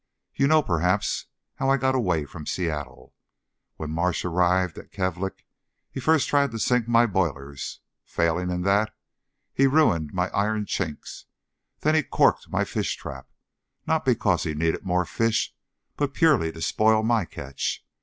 You know, perhaps, how I got away from Seattle. When Marsh arrived at Kalvik, he first tried to sink my boilers; failing in that, he ruined my Iron Chinks; then he 'corked' my fish trap, not because he needed more fish, but purely to spoil my catch.